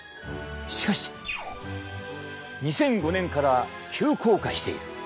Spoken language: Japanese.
しかし２００５年から急降下している。